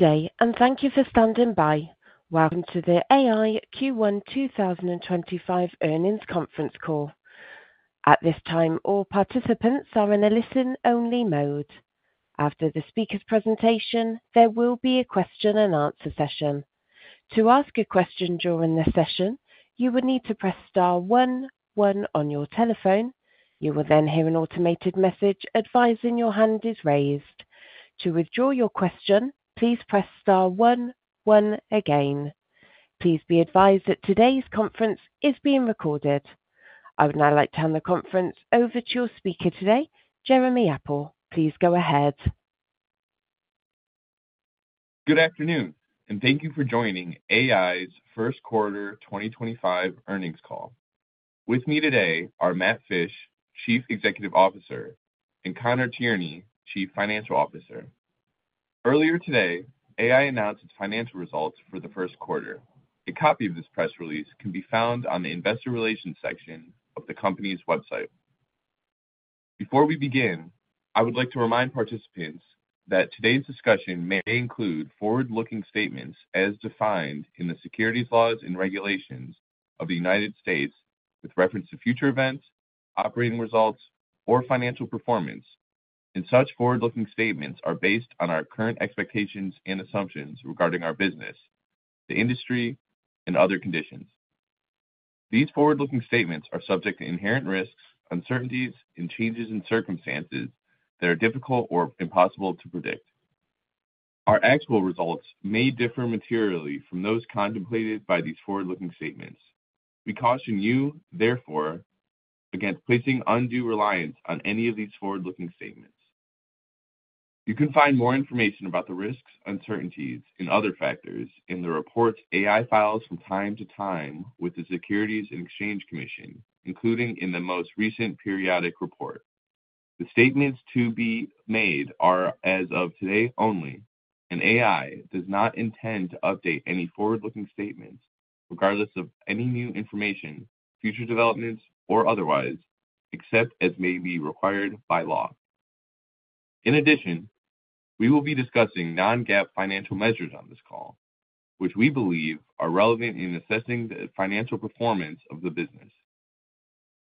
Today, and thank you for standing by. Welcome to the AEye Q1 2025 Earnings Conference all. At this time, all participants are in a listen-only mode. After the speaker's presentation, there will be a question-and-answer session. To ask a question during the session, you would need to press star one, one on your telephone. You will then hear an automated message advising your hand is raised. To withdraw your question, please press star one, one again. Please be advised that today's conference is being recorded. I would now like to hand the conference over to your speaker today, Jeremy Apple. Please go ahead. Good afternoon, and thank you for joining AEye's First Quarter 2025 Earnings Call. With me today are Matt Fisch, Chief Executive Officer, and Conor Tierney, Chief Financial Officer. Earlier today, AEye announced its financial results for the first quarter. A copy of this press release can be found on the investor relations section of the company's website. Before we begin, I would like to remind participants that today's discussion may include forward-looking statements as defined in the securities laws and regulations of the United States, with reference to future events, operating results, or financial performance. Such forward-looking statements are based on our current expectations and assumptions regarding our business, the industry, and other conditions. These forward-looking statements are subject to inherent risks, uncertainties, and changes in circumstances that are difficult or impossible to predict. Our actual results may differ materially from those contemplated by these forward-looking statements. We caution you, therefore, against placing undue reliance on any of these forward-looking statements. You can find more information about the risks, uncertainties, and other factors in the reports AEye files from time to time with the Securities and Exchange Commission, including in the most recent periodic report. The statements to be made are as of today only, and AEye does not intend to update any forward-looking statements, regardless of any new information, future developments, or otherwise, except as may be required by law. In addition, we will be discussing non-GAAP financial measures on this call, which we believe are relevant in assessing the financial performance of the business.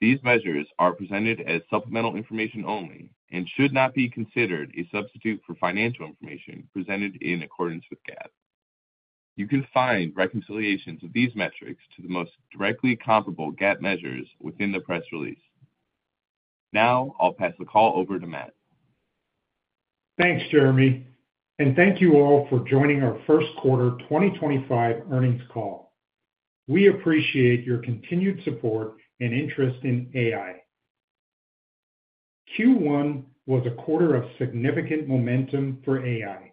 These measures are presented as supplemental information only and should not be considered a substitute for financial information presented in accordance with GAAP. You can find reconciliations of these metrics to the most directly comparable GAAP measures within the press release. Now I'll pass the call over to Matt. Thanks, Jeremy. Thank you all for joining our First Quarter 2025 Earnings Call. We appreciate your continued support and interest in AEye. Q1 was a quarter of significant momentum for AEye.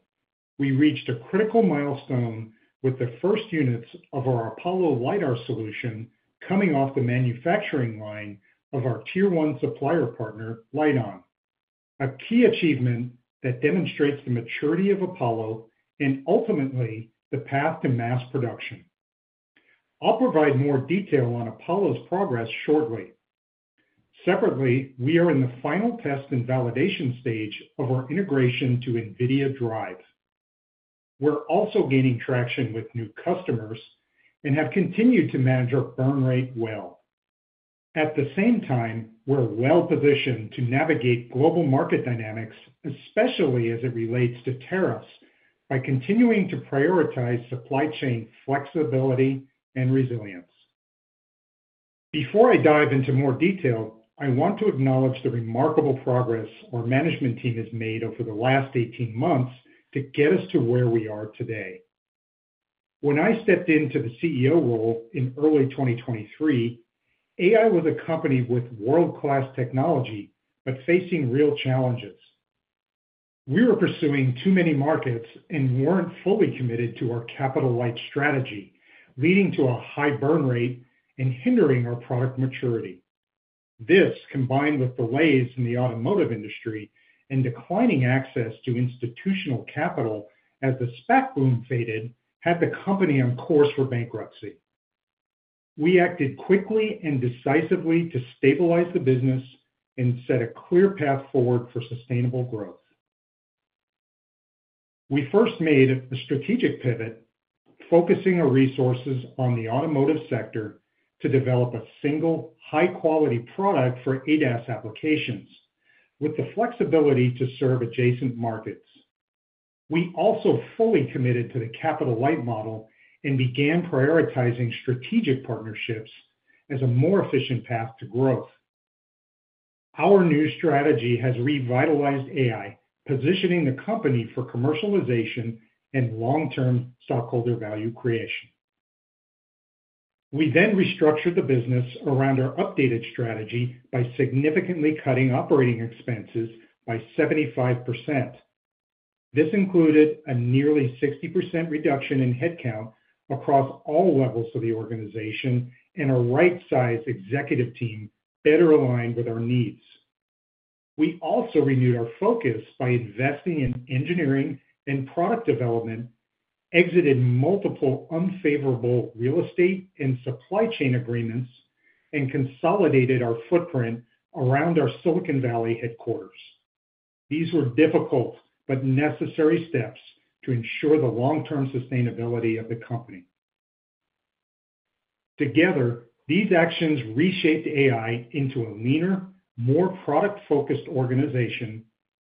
We reached a critical milestone with the first units of our Apollo lidar solution coming off the manufacturing line of our tier one supplier partner, LITEON, a key achievement that demonstrates the maturity of Apollo and ultimately the path to mass production. I'll provide more detail on Apollo's progress shortly. Separately, we are in the final test and validation stage of our integration to NVIDIA DRIVE. We're also gaining traction with new customers and have continued to manage our burn rate well. At the same time, we're well positioned to navigate global market dynamics, especially as it relates to tariffs, by continuing to prioritize supply chain flexibility and resilience. Before I dive into more detail, I want to acknowledge the remarkable progress our management team has made over the last 18 months to get us to where we are today. When I stepped into the CEO role in early 2023, AEye was a company with world-class technology but facing real challenges. We were pursuing too many markets and were not fully committed to our capital-light strategy, leading to a high burn rate and hindering our product maturity. This, combined with delays in the automotive industry and declining access to institutional capital as the SPAC boom faded, had the company on course for bankruptcy. We acted quickly and decisively to stabilize the business and set a clear path forward for sustainable growth. We first made a strategic pivot, focusing our resources on the automotive sector to develop a single, high-quality product for ADAS applications, with the flexibility to serve adjacent markets. We also fully committed to the capital-light model and began prioritizing strategic partnerships as a more efficient path to growth. Our new strategy has revitalized AEye, positioning the company for commercialization and long-term stockholder value creation. We then restructured the business around our updated strategy by significantly cutting operating expenses by 75%. This included a nearly 60% reduction in headcount across all levels of the organization and a right-sized executive team better aligned with our needs. We also renewed our focus by investing in engineering and product development, exited multiple unfavorable real estate and supply chain agreements, and consolidated our footprint around our Silicon Valley headquarters. These were difficult but necessary steps to ensure the long-term sustainability of the company. Together, these actions reshaped AEye into a leaner, more product-focused organization,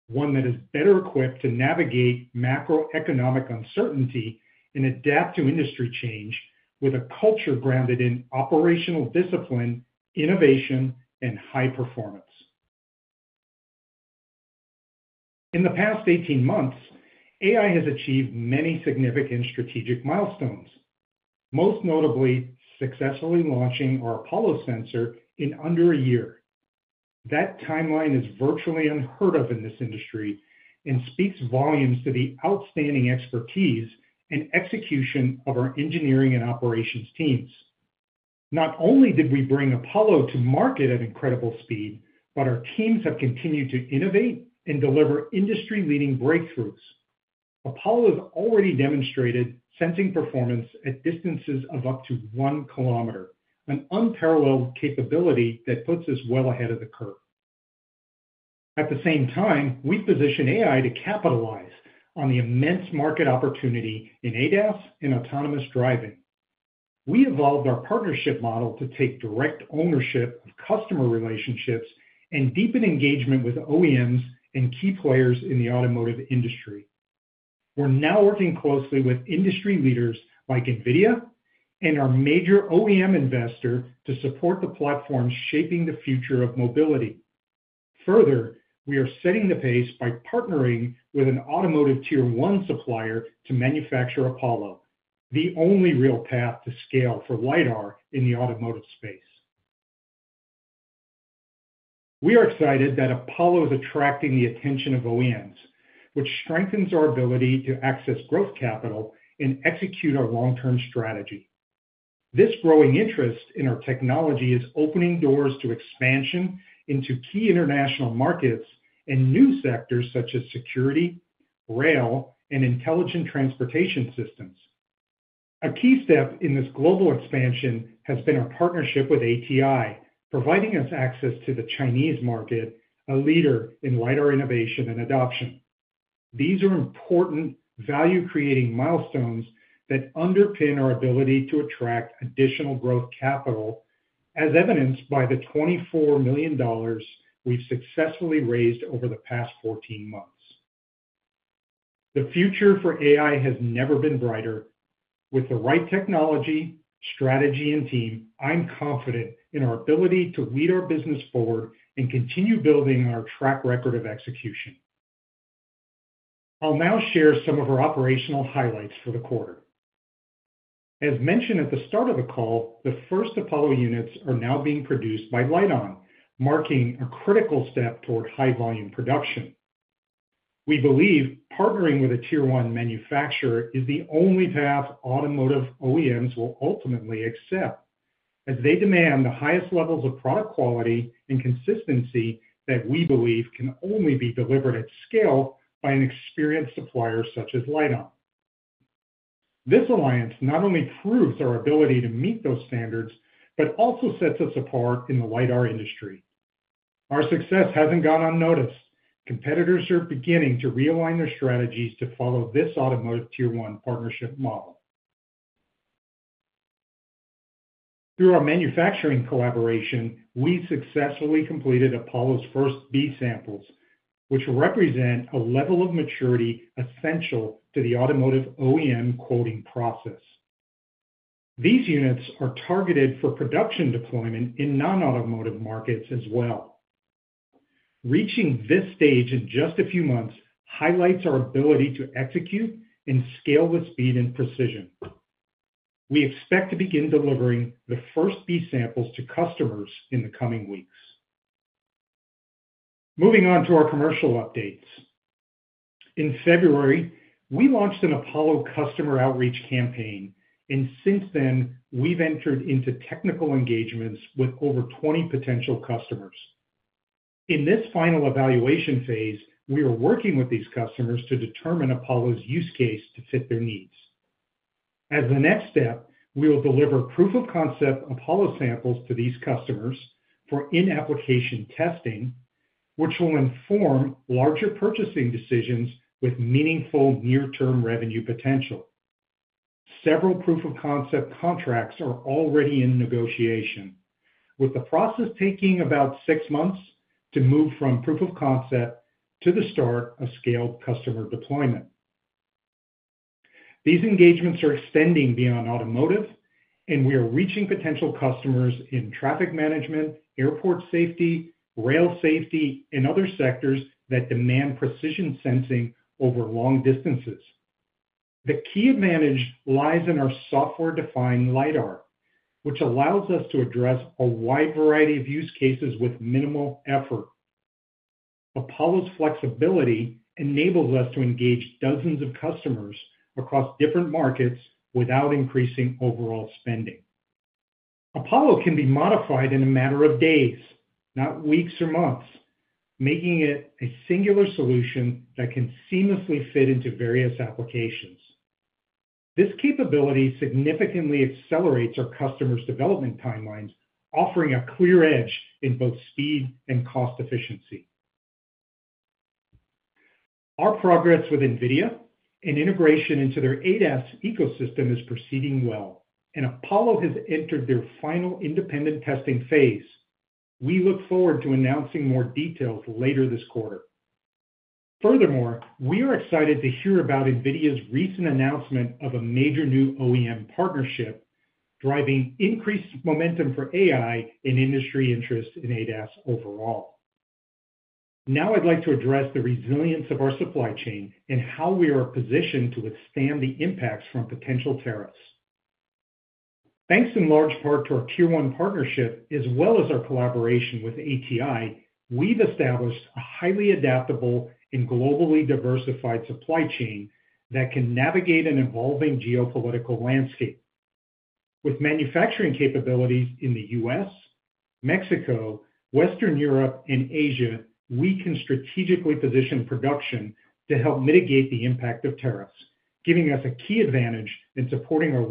one that is better equipped to navigate macroeconomic uncertainty and adapt to industry change with a culture grounded in operational discipline, innovation, and high performance. In the past 18 months, AEye has achieved many significant strategic milestones, most notably successfully launching our Apollo sensor in under a year. That timeline is virtually unheard of in this industry and speaks volumes to the outstanding expertise and execution of our engineering and operations teams. Not only did we bring Apollo to market at incredible speed, but our teams have continued to innovate and deliver industry-leading breakthroughs. Apollo has already demonstrated sensing performance at distances of up to one kilometer, an unparalleled capability that puts us well ahead of the curve. At the same time, we position AEye to capitalize on the immense market opportunity in ADAS and autonomous driving. We evolved our partnership model to take direct ownership of customer relationships and deepen engagement with OEMs and key players in the automotive industry. We're now working closely with industry leaders like NVIDIA and our major OEM investor to support the platform shaping the future of mobility. Further, we are setting the pace by partnering with an automotive tier one supplier to manufacture Apollo, the only real path to scale for lidar in the automotive space. We are excited that Apollo is attracting the attention of OEMs, which strengthens our ability to access growth capital and execute our long-term strategy. This growing interest in our technology is opening doors to expansion into key international markets and new sectors such as, rail, and intelligent transportation systems. A key step in this global expansion has been our partnership with ATI, providing us access to the Chinese market, a leader in lidar innovation and adoption. These are important value-creating milestones that underpin our ability to attract additional growth capital, as evidenced by the $24 million we've successfully raised over the past 14 months. The future for AEye has never been brighter. With the right technology, strategy, and team, I'm confident in our ability to lead our business forward and continue building our track record of execution. I'll now share some of our operational highlights for the quarter. As mentioned at the start of the call, the first Apollo units are now being produced by LITEON, marking a critical step toward high-volume production. We believe partnering with a tier one manufacturer is the only path automotive OEMs will ultimately accept, as they demand the highest levels of product quality and consistency that we believe can only be delivered at scale by an experienced supplier such as LITEON. This alliance not only proves our ability to meet those standards, but also sets us apart in the lidar industry. Our success hasn't gone unnoticed. Competitors are beginning to realign their strategies to follow this automotive tier one partnership model. Through our manufacturing collaboration, we successfully completed Apollo's first B samples, which represent a level of maturity essential to the automotive OEM quoting process. These units are targeted for production deployment in non-automotive markets as well. Reaching this stage in just a few months highlights our ability to execute and scale with speed and precision. We expect to begin delivering the first B samples to customers in the coming weeks. Moving on to our commercial updates. In February, we launched an Apollo customer outreach campaign, and since then, we've entered into technical engagements with over 20 potential customers. In this final evaluation phase, we are working with these customers to determine Apollo's use case to fit their needs. As the next step, we will deliver proof of concept Apollo samples to these customers for in-application testing, which will inform larger purchasing decisions with meaningful near-term revenue potential. Several proof of concept contracts are already in negotiation, with the process taking about six months to move from proof of concept to the start of scaled customer deployment. These engagements are extending beyond automotive, and we are reaching potential customers in traffic management, airport safety, rail safety, and other sectors that demand precision sensing over long distances. The key advantage lies in our software-defined lidar, which allows us to address a wide variety of use cases with minimal effort. Apollo's flexibility enables us to engage dozens of customers across different markets without increasing overall spending. Apollo can be modified in a matter of days, not weeks or months, making it a singular solution that can seamlessly fit into various applications. This capability significantly accelerates our customers' development timelines, offering a clear edge in both speed and cost efficiency. Our progress with NVIDIA and integration into their ADAS ecosystem is proceeding well, and Apollo has entered their final independent testing phase. We look forward to announcing more details later this quarter. Furthermore, we are excited to hear about NVIDIA's recent announcement of a major new OEM partnership, driving increased momentum for AI and industry interest in ADAS overall. Now I'd like to address the resilience of our supply chain and how we are positioned to withstand the impacts from potential tariffs. Thanks in large part to our tier one partnership, as well as our collaboration with ATI, we've established a highly adaptable and globally diversified supply chain that can navigate an evolving geopolitical landscape. With manufacturing capabilities in the U.S., Mexico, Western Europe, and Asia, we can strategically position production to help mitigate the impact of tariffs, giving us a key advantage in supporting our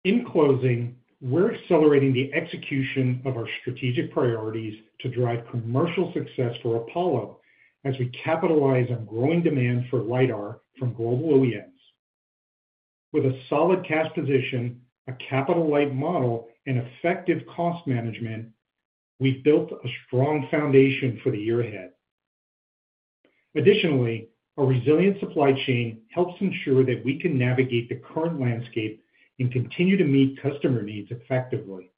long-term stability. In closing, we're accelerating the execution of our strategic priorities to drive commercial success for Apollo as we capitalize on growing demand for lidar from global OEMs. With a solid cash position, a capital-light model, and effective cost management, we've built a strong foundation for the year ahead. Additionally, our resilient supply chain helps ensure that we can navigate the current landscape and continue to meet customer needs effectively.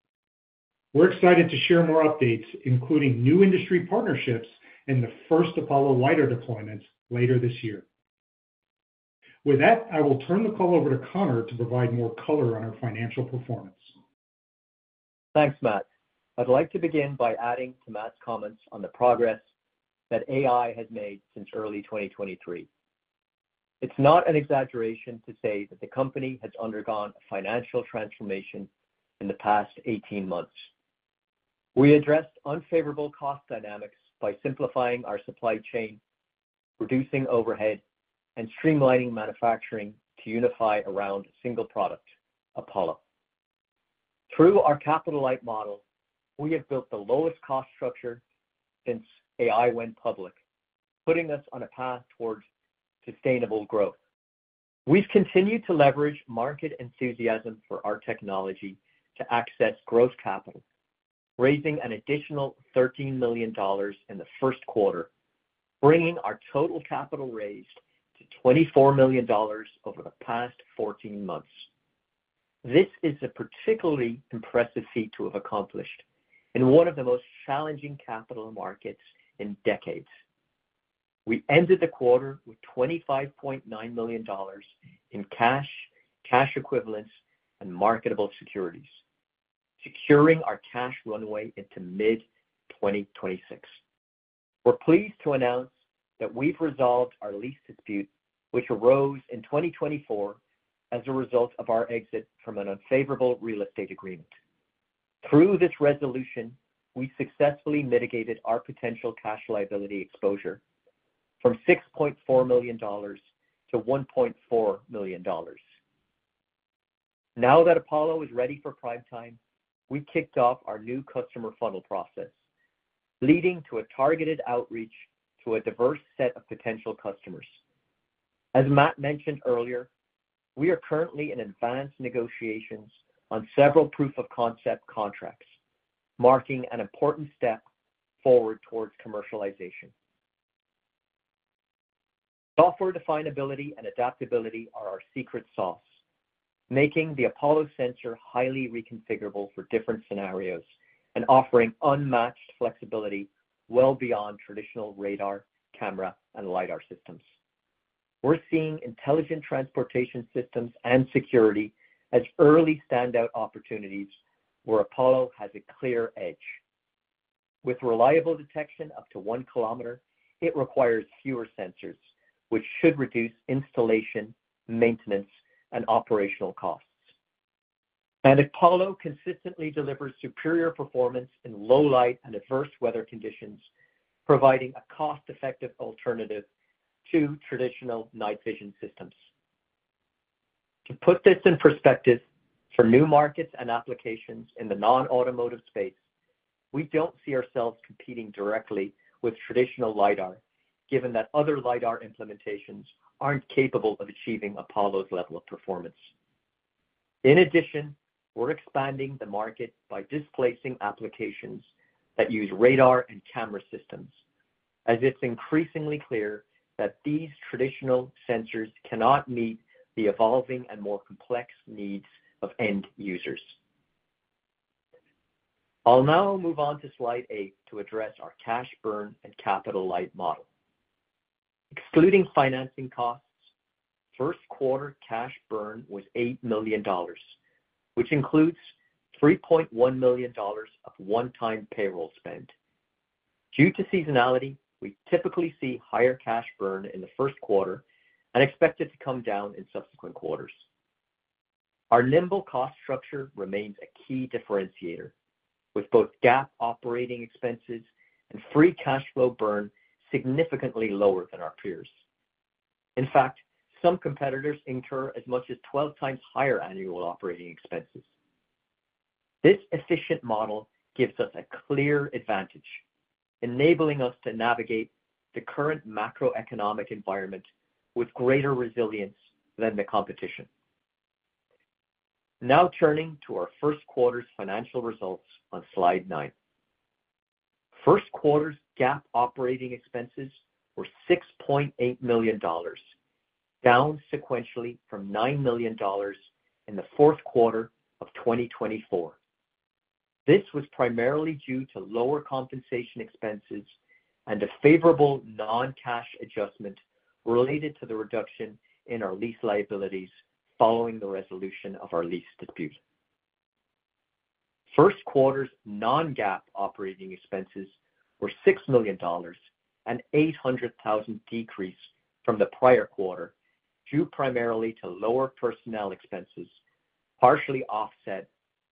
We're excited to share more updates, including new industry partnerships and the first Apollo lidar deployments later this year. With that, I will turn the call over to Conor to provide more color on our financial performance. Thanks, Matt. I'd like to begin by adding to Matt's comments on the progress that AEye has made since early 2023. It's not an exaggeration to say that the company has undergone a financial transformation in the past 18 months. We addressed unfavorable cost dynamics by simplifying our supply chain, reducing overhead, and streamlining manufacturing to unify around a single product, Apollo. Through our capital-light model, we have built the lowest cost structure since AEye went public, putting us on a path towards sustainable growth. We've continued to leverage market enthusiasm for our technology to access gross capital, raising an additional $13 million in the first quarter, bringing our total capital raised to $24 million over the past 14 months. This is a particularly impressive feat to have accomplished in one of the most challenging capital markets in decades. We ended the quarter with $25.9 million in cash, cash equivalents, and marketable securities, securing our cash runway into mid-2026. We're pleased to announce that we've resolved our lease dispute, which arose in 2024 as a result of our exit from an unfavorable real estate agreement. Through this resolution, we successfully mitigated our potential cash liability exposure from $6.4 million to $1.4 million. Now that Apollo is ready for prime time, we've kicked off our new customer funnel process, leading to a targeted outreach to a diverse set of potential customers. As Matt mentioned earlier, we are currently in advanced negotiations on several proof of concept contracts, marking an important step forward towards commercialization. Software definability and adaptability are our secret sauce, making the Apollo sensor highly reconfigurable for different scenarios and offering unmatched flexibility well beyond traditional radar, camera, and lidar systems. We're seeing intelligent transportation systems and security as early standout opportunities where Apollo has a clear edge. With reliable detection up to one kilometer, it requires fewer sensors, which should reduce installation, maintenance, and operational costs. Apollo consistently delivers superior performance in low light and adverse weather conditions, providing a cost-effective alternative to traditional night vision systems. To put this in perspective, for new markets and applications in the non-automotive space, we don't see ourselves competing directly with traditional lidar, given that other lidar implementations aren't capable of achieving Apollo's level of performance. In addition, we're expanding the market by displacing applications that use radar and camera systems, as it's increasingly clear that these traditional sensors cannot meet the evolving and more complex needs of end users. I'll now move on to slide eight to address our cash burn and capital light model. Excluding financing costs, first quarter cash burn was $8 million, which includes $3.1 million of one-time payroll spend. Due to seasonality, we typically see higher cash burn in the first quarter and expect it to come down in subsequent quarters. Our nimble cost structure remains a key differentiator, with both GAAP operating expenses and free cash flow burn significantly lower than our peers. In fact, some competitors incur as much as 12 times higher annual operating expenses. This efficient model gives us a clear advantage, enabling us to navigate the current macroeconomic environment with greater resilience than the competition. Now turning to our first quarter's financial results on slide nine. First quarter's GAAP operating expenses were $6.8 million, down sequentially from $9 million in the fourth quarter of 2024. This was primarily due to lower compensation expenses and a favorable non-cash adjustment related to the reduction in our lease liabilities following the resolution of our lease dispute. First quarter's non-GAAP operating expenses were $6 million, an $800,000 decrease from the prior quarter due primarily to lower personnel expenses, partially offset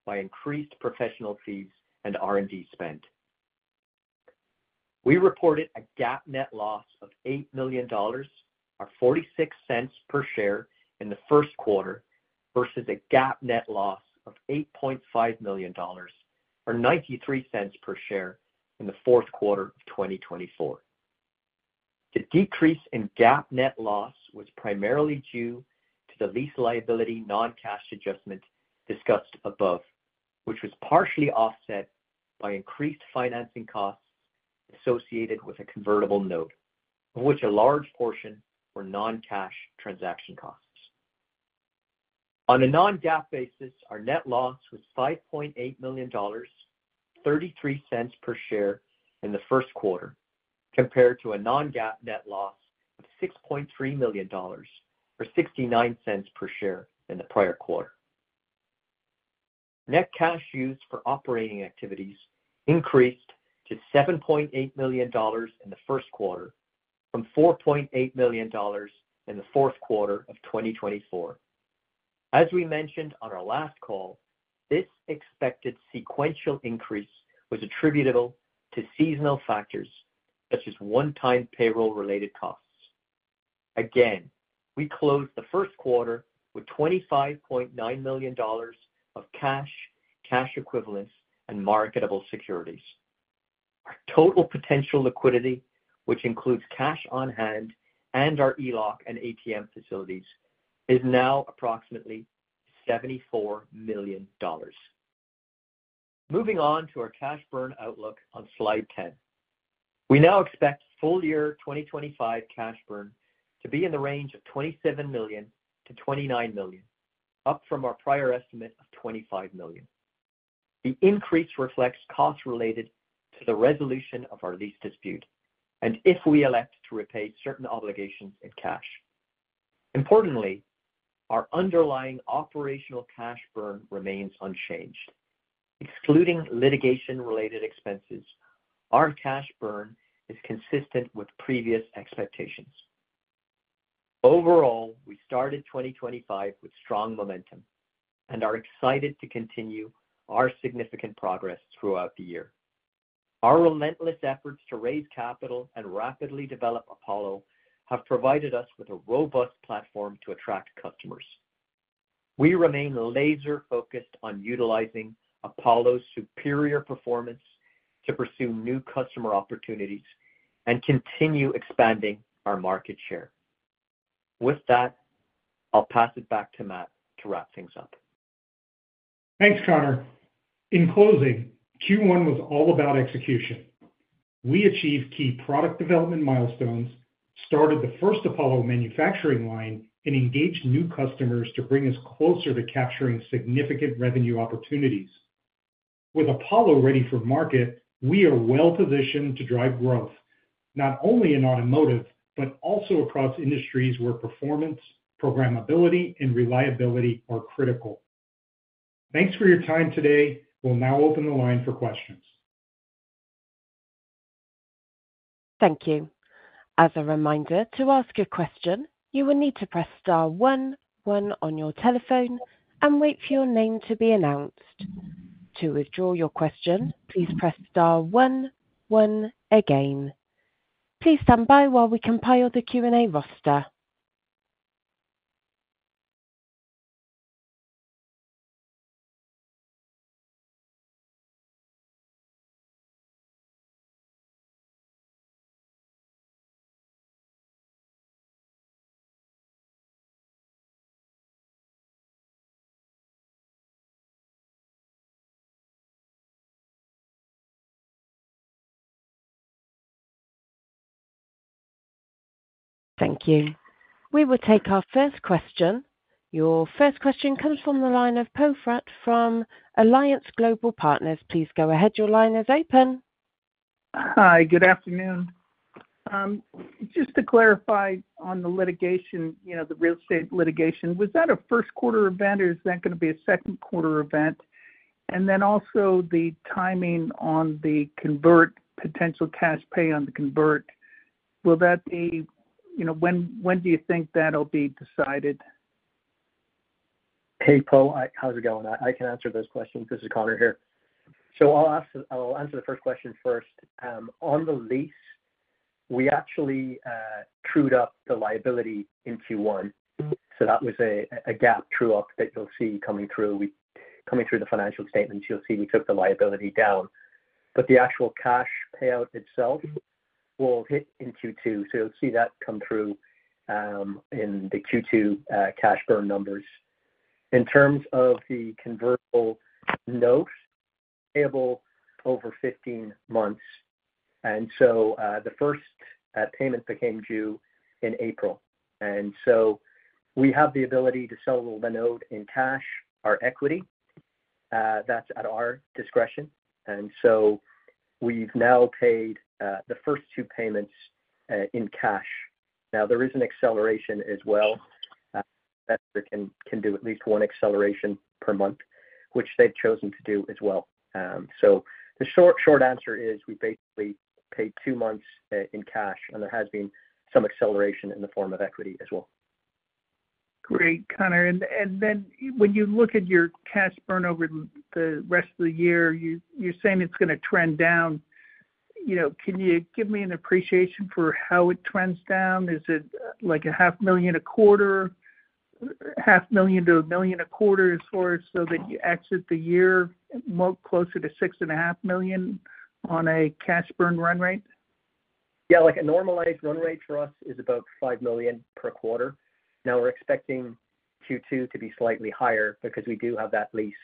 by increased professional fees and R&D spend. We reported a GAAP net loss of $8 million, or $0.46 per share in the first quarter, versus a GAAP net loss of $8.5 million, or $0.93 per share in the fourth quarter of 2024. The decrease in GAAP net loss was primarily due to the lease liability non-cash adjustment discussed above, which was partially offset by increased financing costs associated with a convertible note, of which a large portion were non-cash transaction costs. On a non-GAAP basis, our net loss was $5.8 million, $0.33 per share in the first quarter, compared to a non-GAAP net loss of $6.3 million, or $0.69 per share in the prior quarter. Net cash used for operating activities increased to $7.8 million in the first quarter, from $4.8 million in the fourth quarter of 2024. As we mentioned on our last call, this expected sequential increase was attributable to seasonal factors such as one-time payroll-related costs. Again, we closed the first quarter with $25.9 million of cash, cash equivalents, and marketable securities. Our total potential liquidity, which includes cash on hand and our eLOC and ATM facilities, is now approximately $74 million. Moving on to our cash burn outlook on slide 10. We now expect full year 2025 cash burn to be in the range of $27 million-$29 million, up from our prior estimate of $25 million. The increase reflects costs related to the resolution of our lease dispute and if we elect to repay certain obligations in cash. Importantly, our underlying operational cash burn remains unchanged. Excluding litigation-related expenses, our cash burn is consistent with previous expectations. Overall, we started 2025 with strong momentum and are excited to continue our significant progress throughout the year. Our relentless efforts to raise capital and rapidly develop Apollo have provided us with a robust platform to attract customers. We remain laser-focused on utilizing Apollo's superior performance to pursue new customer opportunities and continue expanding our market share. With that, I'll pass it back to Matt to wrap things up. Thanks, Conor. In closing, Q1 was all about execution. We achieved key product development milestones, started the first Apollo manufacturing line, and engaged new customers to bring us closer to capturing significant revenue opportunities. With Apollo ready for market, we are well-positioned to drive growth, not only in automotive but also across industries where performance, programmability, and reliability are critical. Thanks for your time today. We'll now open the line for questions. Thank you. As a reminder, to ask a question, you will need to press star one one on your telephone and wait for your name to be announced. To withdraw your question, please press star one one again. Please stand by while we compile the Q&A roster. Thank you. We will take our first question. Your first question comes from the line of Poe Fratt from Alliance Global Partners. Please go ahead. Your line is open. Hi. Good afternoon. Just to clarify on the litigation, the real estate litigation, was that a first quarter event or is that going to be a second quarter event? Also, the timing on the convert, potential cash pay on the convert, will that be when do you think that'll be decided? Hey, Poe, how's it going? I can answer those questions. This is Conor here. I'll answer the first question first. On the lease, we actually trued up the liability in Q1. That was a GAAP true-up that you'll see coming through the financial statements. You'll see we took the liability down. The actual cash payout itself will hit in Q2. You'll see that come through in the Q2 cash burn numbers. In terms of the convertible note, payable over 15 months. The first payment became due in April. We have the ability to settle the note in cash or equity. That's at our discretion. We've now paid the first two payments in cash. There is an acceleration as well. Can do at least one acceleration per month, which they've chosen to do as well. The short answer is we've basically paid two months in cash, and there has been some acceleration in the form of equity as well. Great, Conor. When you look at your cash burn over the rest of the year, you're saying it's going to trend down. Can you give me an appreciation for how it trends down? Is it like $500,000 a quarter, $500,000-$1,000,000 a quarter as far as so that you exit the year more closer to $6,500,000 on a cash burn run rate? Yeah, like a normalized run rate for us is about $5 million per quarter. Now, we're expecting Q2 to be slightly higher because we do have that lease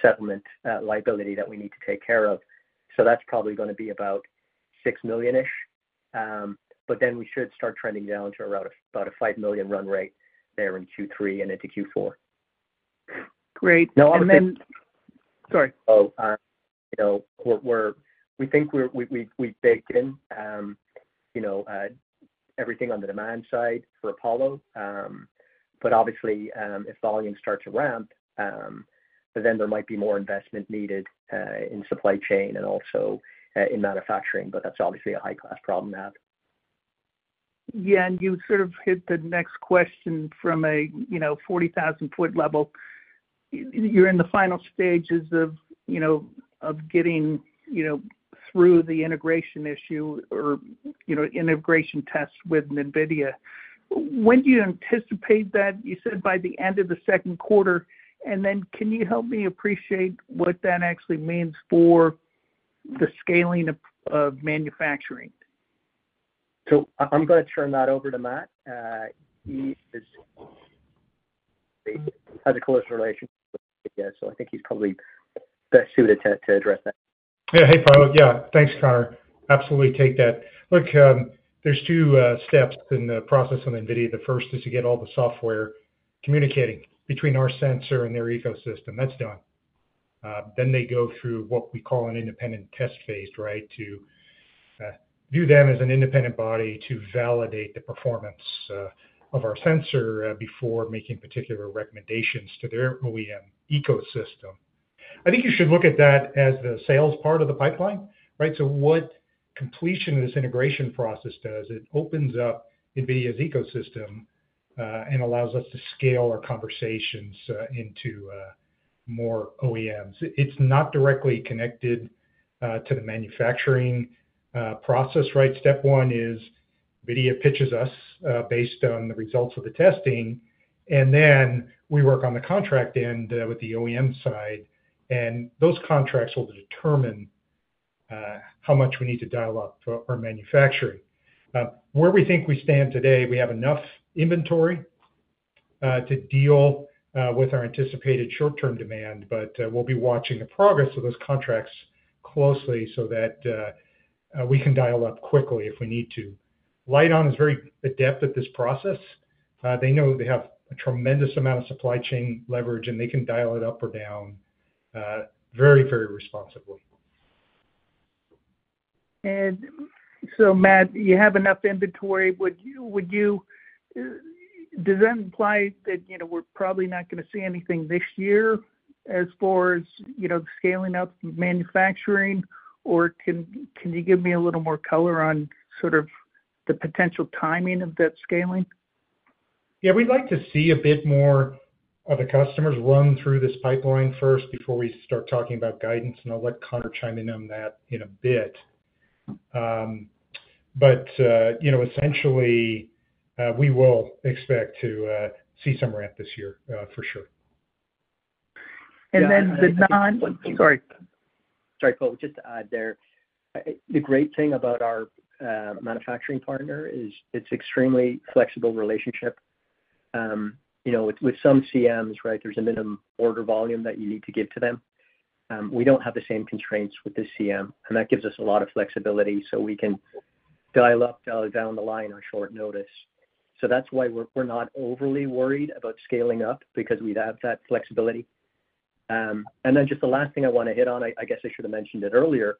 settlement liability that we need to take care of. That's probably going to be about $6 million-ish. We should start trending down to about a $5 million run rate there in Q3 and into Q4. Great. Sorry. We think we've baked in everything on the demand side for Apollo. Obviously, if volume starts to ramp, there might be more investment needed in supply chain and also in manufacturing. That's obviously a high-class problem to have. Yeah. You sort of hit the next question from a 40,000-foot level. You're in the final stages of getting through the integration issue or integration test with NVIDIA. When do you anticipate that? You said by the end of the second quarter. Can you help me appreciate what that actually means for the scaling of manufacturing? I'm going to turn that over to Matt. He has a close relationship with NVIDIA, so I think he's probably best suited to address that. Yeah. Hey, Poe. Yeah. Thanks, Conor. Absolutely take that. Look, there's two steps in the process on NVIDIA. The first is to get all the software communicating between our sensor and their ecosystem. That's done. They go through what we call an independent test phase, right, to view them as an independent body to validate the performance of our sensor before making particular recommendations to their OEM ecosystem. I think you should look at that as the sales part of the pipeline, right? What completion of this integration process does, it opens up NVIDIA's ecosystem and allows us to scale our conversations into more OEMs. It's not directly connected to the manufacturing process, right? Step one is NVIDIA pitches us based on the results of the testing, and then we work on the contract end with the OEM side. Those contracts will determine how much we need to dial up our manufacturing. Where we think we stand today, we have enough inventory to deal with our anticipated short-term demand, but we'll be watching the progress of those contracts closely so that we can dial up quickly if we need to. LITEON is very adept at this process. They know they have a tremendous amount of supply chain leverage, and they can dial it up or down very, very responsibly. Matt, you have enough inventory. Does that imply that we're probably not going to see anything this year as far as scaling up manufacturing, or can you give me a little more color on sort of the potential timing of that scaling? Yeah. We'd like to see a bit more of the customers run through this pipeline first before we start talking about guidance, and I'll let Conor chime in on that in a bit. Essentially, we will expect to see some ramp this year for sure. Sorry, Poe. Just to add there, the great thing about our manufacturing partner is it's an extremely flexible relationship. With some CMs, right, there's a minimum order volume that you need to give to them. We don't have the same constraints with this CM, and that gives us a lot of flexibility so we can dial up, dial down the line on short notice. That's why we're not overly worried about scaling up because we have that flexibility. Just the last thing I want to hit on, I guess I should have mentioned it earlier.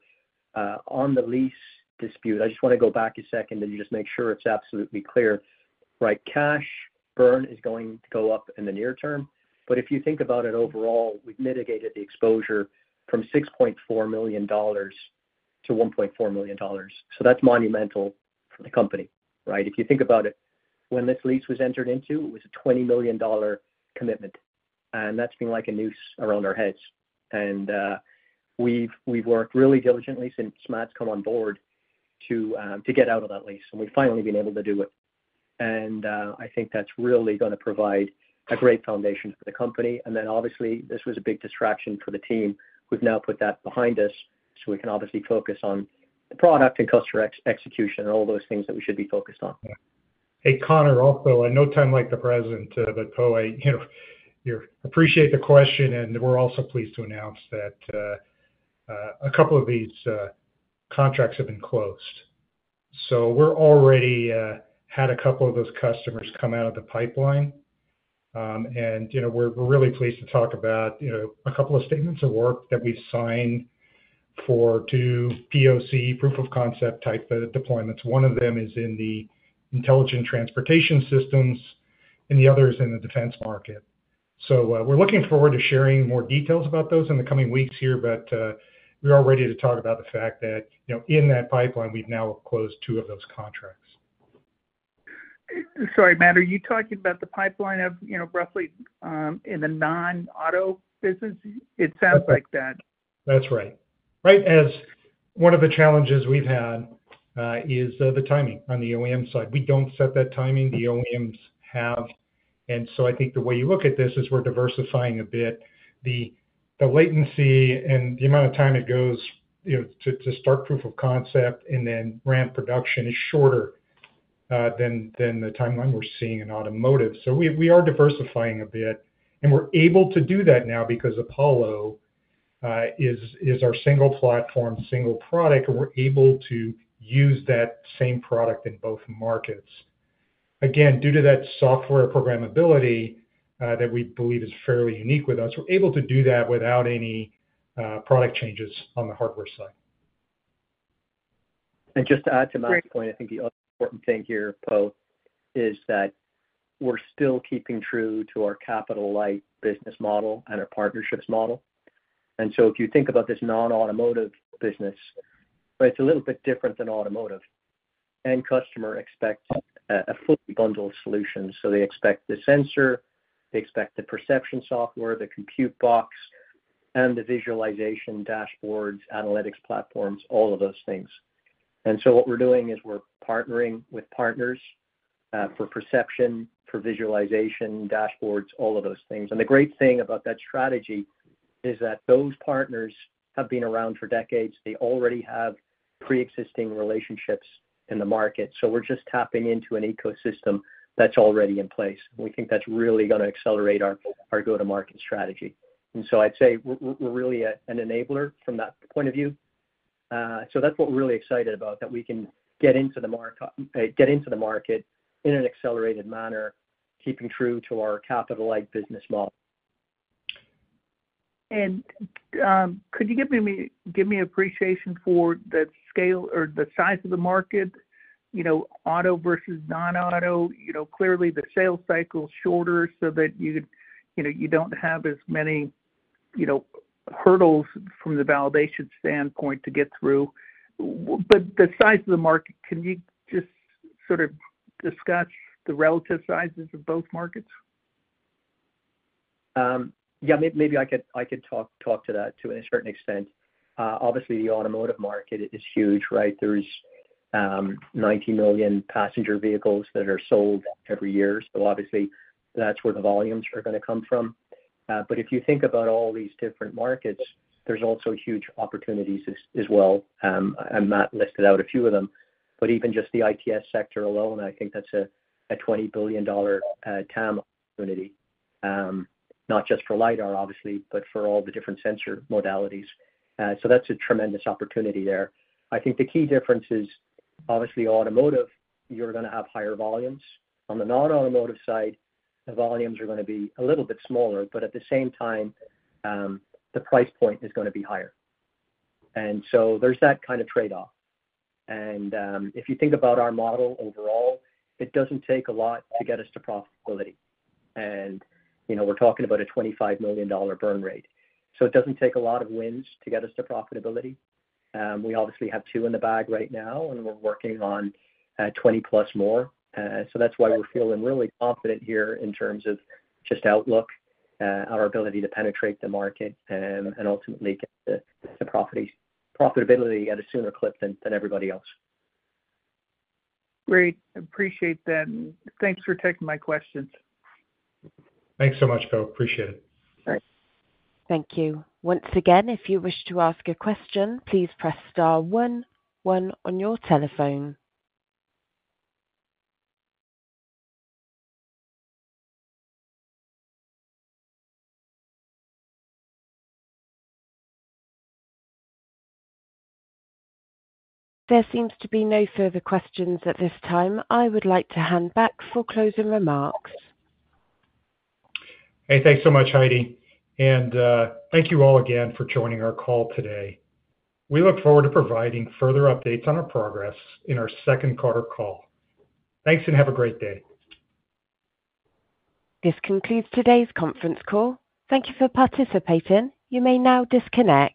On the lease dispute, I just want to go back a second and just make sure it's absolutely clear, right? Cash burn is going to go up in the near term. If you think about it overall, we've mitigated the exposure from $6.4 million to $1.4 million. That's monumental for the company, right? If you think about it, when this lease was entered into, it was a $20 million commitment. That's been like a noose around our heads. We've worked really diligently since Matt's come on board to get out of that lease, and we've finally been able to do it. I think that's really going to provide a great foundation for the company. Obviously, this was a big distraction for the team. We've now put that behind us so we can obviously focus on the product and customer execution and all those things that we should be focused on. Hey, Conor, also, no time like the present, but Poe, I appreciate the question, and we're also pleased to announce that a couple of these contracts have been closed. We've already had a couple of those customers come out of the pipeline. We're really pleased to talk about a couple of statements of work that we've signed for two POC proof-of-concept type deployments. One of them is in the intelligent transportation systems, and the other is in the defense market. We're looking forward to sharing more details about those in the coming weeks here, but we are ready to talk about the fact that in that pipeline, we've now closed two of those contracts. Sorry, Matt, are you talking about the pipeline of roughly in the non-auto business? It sounds like that. That's right. Right. As one of the challenges we've had is the timing on the OEM side. We don't set that timing. The OEMs have. I think the way you look at this is we're diversifying a bit. The latency and the amount of time it goes to start proof of concept and then ramp production is shorter than the timeline we're seeing in automotive. We are diversifying a bit. We're able to do that now because Apollo is our single platform, single product, and we're able to use that same product in both markets. Again, due to that software programmability that we believe is fairly unique with us, we're able to do that without any product changes on the hardware side. Just to add to Matt's point, I think the other important thing here, Poe, is that we're still keeping true to our capital-light business model and our partnerships model. If you think about this non-automotive business, it's a little bit different than automotive. End customer expects a fully bundled solution. They expect the sensor, they expect the perception software, the compute box, and the visualization dashboards, analytics platforms, all of those things. What we're doing is we're partnering with partners for perception, for visualization, dashboards, all of those things. The great thing about that strategy is that those partners have been around for decades. They already have pre-existing relationships in the market. We're just tapping into an ecosystem that's already in place. We think that's really going to accelerate our go-to-market strategy. I'd say we're really an enabler from that point of view. That's what we're really excited about, that we can get into the market in an accelerated manner, keeping true to our capital-light business model. Could you give me appreciation for the scale or the size of the market, auto versus non-auto? Clearly, the sales cycle is shorter so that you do not have as many hurdles from the validation standpoint to get through. The size of the market, can you just sort of discuss the relative sizes of both markets? Yeah. Maybe I could talk to that to a certain extent. Obviously, the automotive market is huge, right? There are 90 million passenger vehicles that are sold every year. That's where the volumes are going to come from. If you think about all these different markets, there are also huge opportunities as well. I might list out a few of them. Even just the ITS sector alone, I think that's a $20 billion TAM opportunity, not just for lidar, obviously, but for all the different sensor modalities. That's a tremendous opportunity there. I think the key difference is, obviously, automotive, you're going to have higher volumes. On the non-automotive side, the volumes are going to be a little bit smaller, but at the same time, the price point is going to be higher. There's that kind of trade-off. If you think about our model overall, it doesn't take a lot to get us to profitability. We're talking about a $25 million burn rate. It doesn't take a lot of wins to get us to profitability. We obviously have two in the bag right now, and we're working on 20 plus more. That is why we are feeling really confident here in terms of just outlook, our ability to penetrate the market, and ultimately get to profitability at a sooner clip than everybody else. Great. Appreciate that. And thanks for taking my questions. Thanks so much, Poe. Appreciate it. Thank you. Once again, if you wish to ask a question, please press star one, one on your telephone. There seems to be no further questions at this time. I would like to hand back for closing remarks. Hey, thanks so much, Heidi. And thank you all again for joining our call today. We look forward to providing further updates on our progress in our second quarter call. Thanks and have a great day. This concludes today's conference call. Thank you for participating. You may now disconnect.